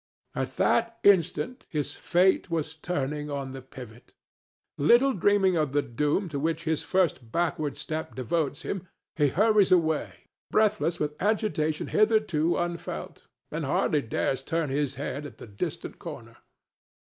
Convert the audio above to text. At that instant his fate was turning on the pivot. Little dreaming of the doom to which his first backward step devotes him, he hurries away, breathless with agitation hitherto unfelt, and hardly dares turn his head at the distant corner.